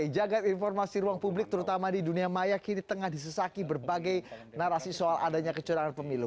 jagat informasi ruang publik terutama di dunia maya kini tengah disesaki berbagai narasi soal adanya kecurangan pemilu